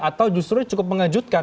atau justru cukup mengejutkan